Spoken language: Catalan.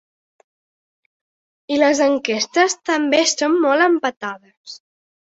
I les enquestes també són molt empatades.